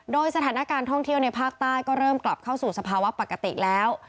โดยสถานการณ์ท่องเที่ยวในภาคใต้ก็เริ่มกลับเข้าสู่สภาวะปกติแล้ว